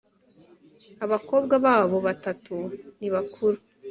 abakobwa babo batatu nibakuru.